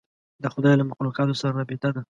د خدای له مخلوقاتو سره رابطه ده.